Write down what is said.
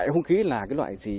hung khí là loại gì